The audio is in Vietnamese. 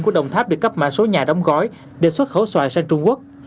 của đồng tháp được cấp mã số nhà đóng gói để xuất khẩu xoài sang trung quốc